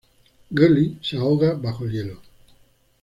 Gully se ahoga bajo el hielo.